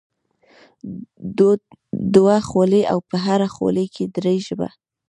دوه خولې او په هره خوله کې درې ژبې.